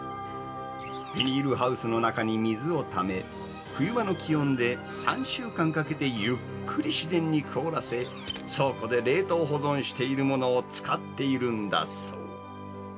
ビニールハウスの中に水をため、冬場の気温で３週間かけてゆっくり自然に凍らせ、倉庫で冷凍保存しているものを使っているんだそう。